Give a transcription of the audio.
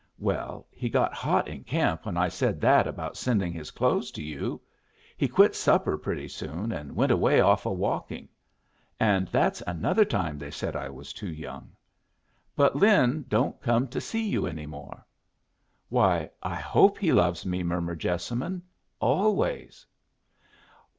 "Well, he got hot in camp when I said that about sending his clothes to you. He quit supper pretty soon, and went away off a walking. And that's another time they said I was too young. But Lin don't come to see you any more." "Why, I hope he loves me," murmured Jessamine. "Always."